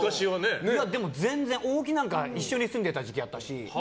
全然、大木なんか一緒に住んでた時期あったし。